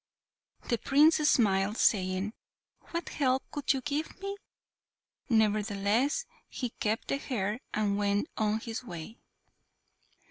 The Prince smiled, saying, "What help could you give me?" Nevertheless, he kept the hair and went on his way.